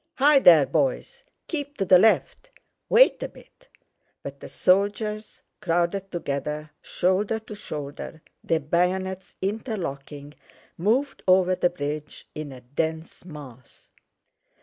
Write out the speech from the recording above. "Hi there, boys! Keep to the left! Wait a bit." But the soldiers, crowded together shoulder to shoulder, their bayonets interlocking, moved over the bridge in a dense mass.